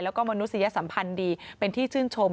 แล้วก็มนุษยสัมพันธ์ดีเป็นที่ชื่นชม